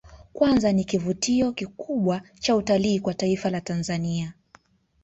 Kwanza ni kivutio kikubwa cha utalii kwa taifa la Tanzania